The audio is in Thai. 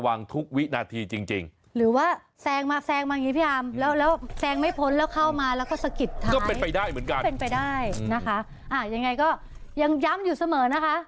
อ้ายังไงก็ยัมอย่าอยู่เสมือนนะคะ